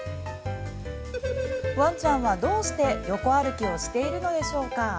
ワンちゃんはどうして横歩きをしているのでしょうか。